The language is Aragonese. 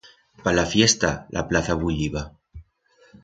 Pa la fiesta, la plaza bulliba.